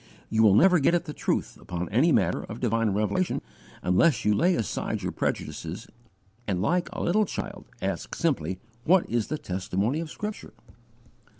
_ You will never get at the truth upon any matter of divine revelation unless you lay aside your prejudices and like a little child ask simply what is the testimony of Scripture."